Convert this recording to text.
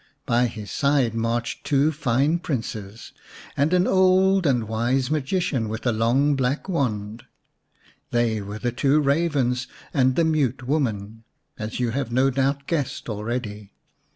By his side marched two fine 247 The White Dove xx Princes, and an old and wise magician with a long black wand. They were the two ravens and the Mute Woman, as you have no doubt guessed already.